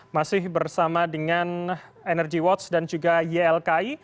masih bersama dengan energy watch dan juga ylki